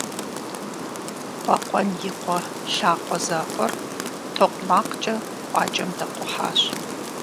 Къуэкъуэн и къуэ лъакъуэ закъуэр токъумакъкӏэ къуакӏэм дакъухьащ.